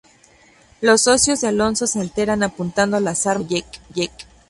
Los socios de Alonzo se alteran apuntando las armas contra Jake.